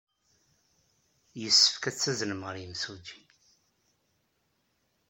Yessefk ad taznem ɣer yemsujji.